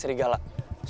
stop ganggu anak warior